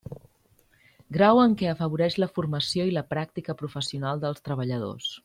Grau en què afavoreix la formació i la pràctica professional dels treballadors.